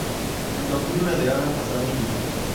کتابتونونه د علم خزانې دي.